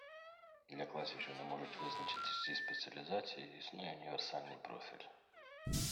Для класів, що не можуть визначитись зі спеціалізацією, існує універсальний профіль.